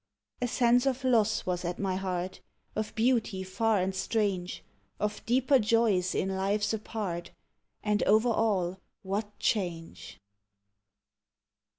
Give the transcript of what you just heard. A sense of loss was at my heart, Of beauty far and strange, Of deeper joys in lives apart And over all, what change!